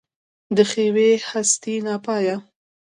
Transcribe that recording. د ښېوې هستي ناپایه